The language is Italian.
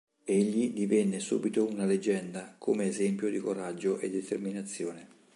Egli divenne subito una leggenda come esempio di coraggio e determinazione.